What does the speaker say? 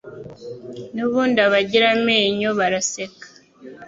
nubundi Abagira amenyo baraseka.